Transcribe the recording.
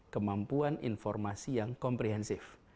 kemampuan informasi yang komprehensif